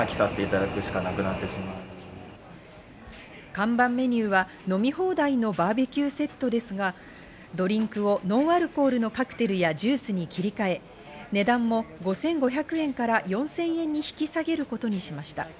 看板メニューは飲み放題のバーベキューセットですが、ドリンクをノンアルコールのカクテルやジュースに切り換え、値段も５５００円から４０００円に引き下げることにしました。